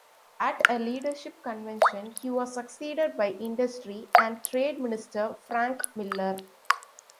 At a leadership convention, he was succeeded by Industry and Trade Minister Frank Miller.